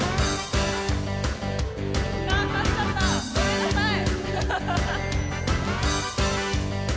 勝っちゃった、ごめんなさい。